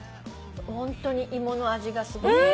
ホントに芋の味がすごくて。